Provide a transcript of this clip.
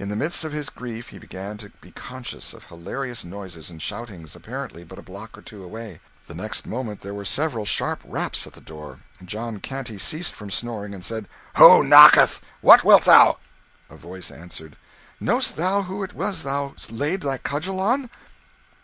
In the midst of his grief he began to be conscious of hilarious noises and shoutings, apparently but a block or two away. The next moment there were several sharp raps at the door; John Canty ceased from snoring and said "Who knocketh? What wilt thou?" A voice answered "Know'st thou who it was thou laid thy cudgel on?"